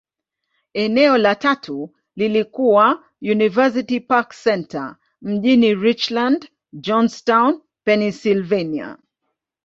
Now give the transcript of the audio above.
Eneo la tatu lililokuwa University Park Centre, mjini Richland, Johnstown, Pennyslvania.